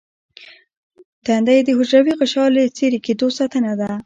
دنده یې د حجروي غشا له څیرې کیدو ساتنه ده.